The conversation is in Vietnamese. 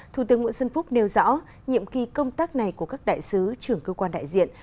thủ tướng nguyễn xuân phúc nêu rõ nhiệm kỳ công tác này của các đại sứ trưởng cơ quan đại diện